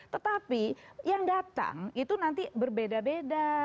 tetapi yang datang itu nanti berbeda beda